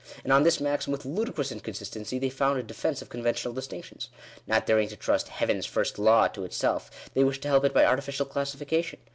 And on this maxim, with ludicrous inconsistency, they found a defence of conventional distinctions. Not daring to trust "heavens first law" to itself, they wish to help it by artificial classification.